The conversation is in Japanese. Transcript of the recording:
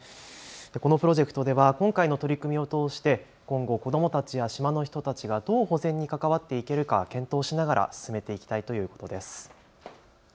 このプロジェクトでは今回の取り組みを通して今後、子どもたちや島の人たちがどう保全に関わっていけるか検討しながら進めていきたいということです。